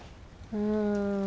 うん。